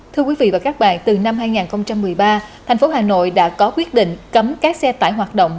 thưa quý vị và các bạn từ năm hai nghìn một mươi ba thành phố hà nội đã có quyết định cấm các xe tải hoạt động